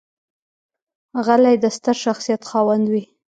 غلی، د ستر شخصیت خاوند وي.